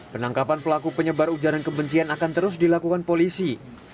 penangkapan pelaku penyebar ujaran kebencian akan terus dilakukan polisi